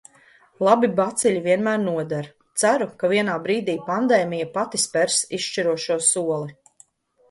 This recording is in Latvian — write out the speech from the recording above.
Labi baciļi vienmēr noder. Ceru, ka vienā brīdī pandēmija pati spers izšķirošo soli.